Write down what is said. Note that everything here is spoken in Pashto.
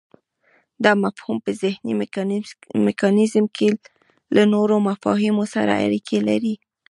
دا مفهوم په ذهني میکانیزم کې له نورو مفاهیمو سره اړیکی لري